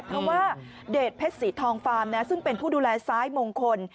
เพราะว่าเดชเพชรสีทองฟาร์มซึ่งเป็นผู้ดูแลซ้ายมงคล